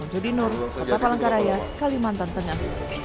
jodhi noor kota palangkaraya kalimantan tengah